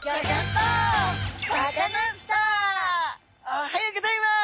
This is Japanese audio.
おはようございます！